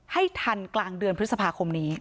ให้ทันกลางเดือนพฤษภาคมนี้